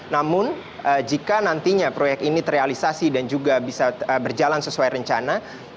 namun jika nantinya proyek ini terrealisasi dan juga bisa berjalan sesuai rencana